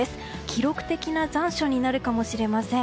記録的な残暑になるかもしれません。